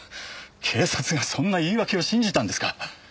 警察がそんな言い訳を信じたんですか？